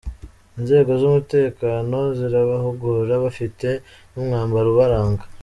Inzego z’umutekeno zirabahugura, bafite n’umwambaro ubaranga.